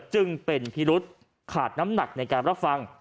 จึงเป็นพิรุษขาดน้ำหนักในการรับฟัง